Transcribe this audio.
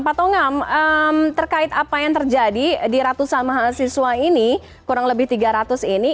pak tongam terkait apa yang terjadi di ratusan mahasiswa ini kurang lebih tiga ratus ini